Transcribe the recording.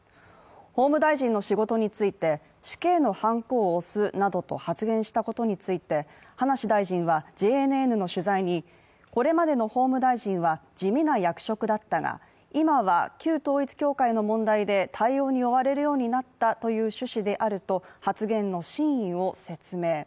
法務大臣の仕事について、死刑のはんこを押すなどと発言したことについて葉梨大臣は、ＪＮＮの取材にこれまでの法務大臣は地味な役職だったが今は、旧統一教会の問題で、対応に追われるようになったという趣旨であると、発言の真意を説明。